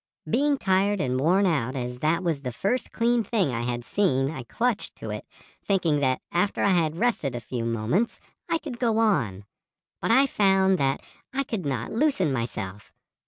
Being tired and worn out, as that was the first clean thing I had seen I clutched to it, thinking that after I had rested a few moments I could go on. But I found that I could not loosen myself.